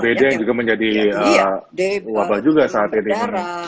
dprd juga menjadi wabah juga saat ini